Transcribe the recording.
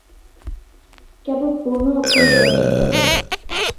কেবল পূর্ণ অত্যন্ত দমিয়া গেল।